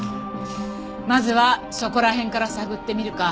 まずはそこら辺から探ってみるか。